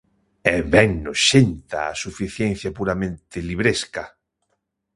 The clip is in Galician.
É ben noxenta a suficiencia puramente libresca!